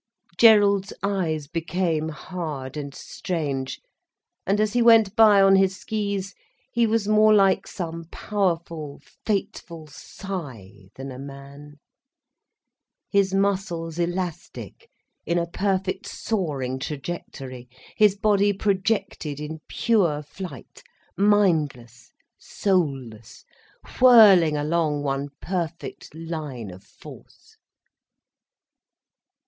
Gerald's eyes became hard and strange, and as he went by on his skis he was more like some powerful, fateful sigh than a man, his muscles elastic in a perfect, soaring trajectory, his body projected in pure flight, mindless, soulless, whirling along one perfect line of force.